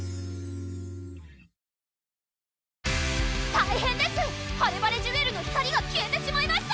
大変ですハレバレジュエルの光が消えてしまいました！